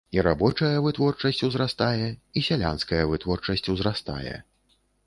І рабочая вытворчасць узрастае, і сялянская вытворчасць узрастае.